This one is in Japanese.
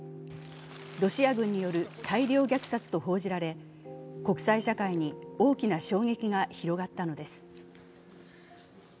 ロシア軍による大量虐殺と報じられ国際社会に大きな衝撃が広がったのです。